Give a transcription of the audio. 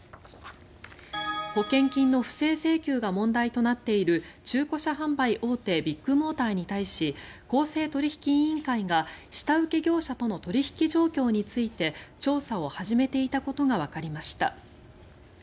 保険金の不正請求が問題となっている中古車販売大手ビッグモーターに対し公正取引委員会が下請け業者との取引状況について調査を始めていたことがわかりました。